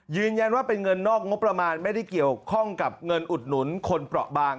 ยืนยันว่าเป็นเงินนอกงบประมาณไม่ได้เกี่ยวข้องกับเงินอุดหนุนคนเปราะบาง